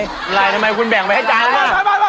ทำอะไรทำไมคุณแบ่งไปให้จานกันอ่ะ